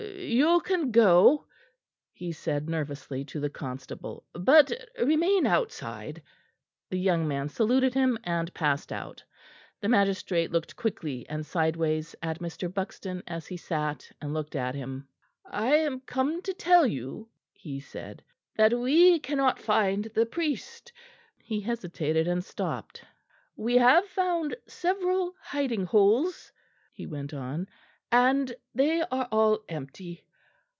"You can go," he said nervously to the constable, "but remain outside." The young man saluted him and passed out. The magistrate looked quickly and sideways at Mr. Buxton as he sat and looked at him. "I am come to tell you," he said, "that we cannot find the priest." He hesitated and stopped. "We have found several hiding holes," he went on, "and they are all empty.